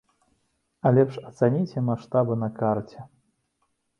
А лепш ацаніце маштабы на карце!